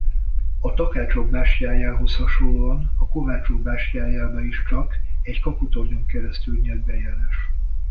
A Takácsok bástyájához hasonlóan a Kovácsok bástyájába is csak egy kaputornyon keresztül nyílt bejárás.